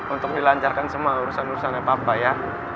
untuk dilancarkan semua urusan urusannya papa ya